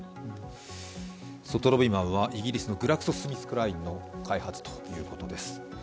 ソトロビマブはイギリスのグラクソ・スミスクラインの開発ということです。